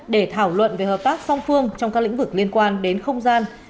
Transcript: để thảo luận về hợp tác song phương trong các lĩnh vực liên quan đến không gian